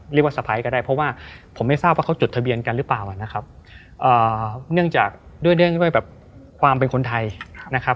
สะพ้ายก็ได้เพราะว่าผมไม่ทราบว่าเขาจดทะเบียนกันหรือเปล่านะครับเนื่องจากด้วยเรื่องด้วยแบบความเป็นคนไทยนะครับ